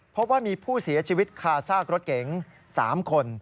พบว่ามีผู้เสียชีวิตคาซากรถเก๋ง๓คน